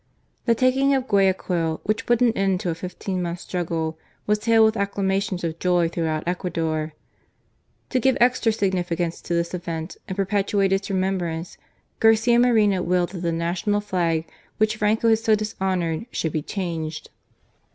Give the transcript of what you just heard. The taking of Guayaquil, which put an end to a fifteen months' struggle, was hailed with acclama tions of joy throughout Ecuador. To give extra significance to this event and perpetuate its remem brance, Garcia Moreno . willed that the national flag which Franco had so dishonoured should be changed.